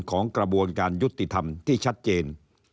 ของกระบวนการยุติธรรมที่ชัดเจน